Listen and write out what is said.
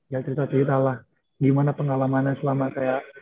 ya cerita cerita lah gimana pengalamannya selama saya